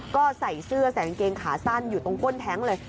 ก็ใส่เสื้อใส่กางเกงขาสั้นอยู่ตรงก้นแท้งเลย